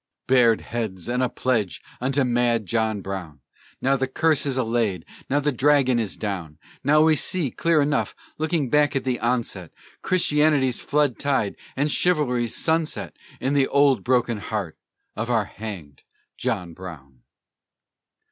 Bared heads and a pledge unto mad John Brown! Now the curse is allayed, now the dragon is down, Now we see, clear enough, looking back at the onset, Christianity's flood tide and Chivalry's sunset In the old broken heart of our hanged John Brown!